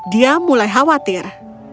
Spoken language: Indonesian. dia mulai khawatir